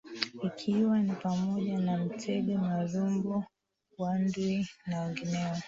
ikiwa ni pamoja na Mtwenge Marumbo Wandwi na wengineo